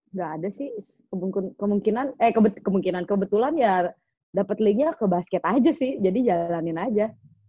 enggak ada sih kemungkinan kebetulan ya dapat linknya ke basket aja sih jadi jalanin aja